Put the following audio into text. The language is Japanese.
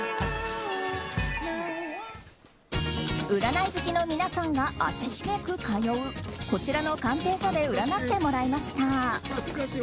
占い好きの皆さんが足しげく通うこちらの鑑定所で占ってもらいました。